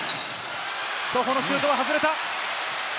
ソホのシュートは外れた。